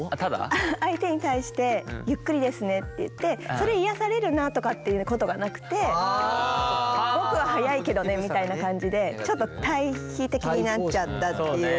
相手に対してゆっくりですねって言ってそれ癒やされるなとかっていうことがなくて僕は速いけどねみたいな感じでちょっと対比的になっちゃったっていう。